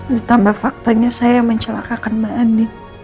ditambah faktanya saya yang mencelakakan mbak andi